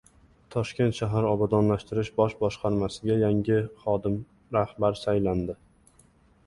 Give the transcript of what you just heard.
Toshkent shahar Obodonlashtirish bosh boshqarmasiga yangi rahbar tayinlandi